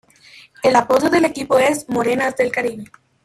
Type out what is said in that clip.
El apodo del equipo es "Morenas del Caribe".